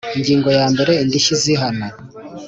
Ingingo ya mbere Indishyi zihana